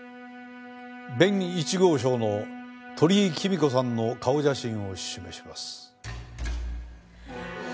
弁１号証の鳥居貴美子さんの顔写真を示します。